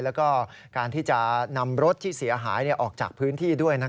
แล้วก็การที่จะนำรถที่เสียหายออกจากพื้นที่ด้วย